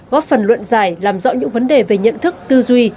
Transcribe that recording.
góp phần luận giải làm rõ những vấn đề về nhận thức tư duy